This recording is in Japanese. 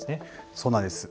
そうなんです。